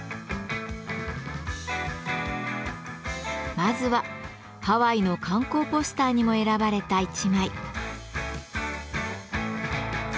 まずはハワイの観光ポスターにも選ばれた１枚。